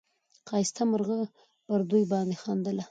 ښایسته مرغه پر دوی باندي خندله